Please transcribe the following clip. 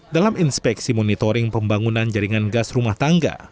dalam inspeksi monitoring pembangunan jaringan gas rumah tangga